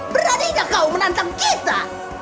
beraninya kau menantang kita